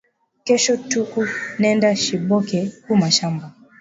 Kesho tuku nenda shibote ku mashamba